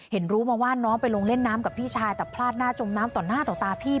รู้มาว่าน้องไปลงเล่นน้ำกับพี่ชายแต่พลาดหน้าจมน้ำต่อหน้าต่อตาพี่